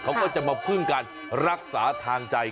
เขาก็จะมาพึ่งการรักษาทางใจ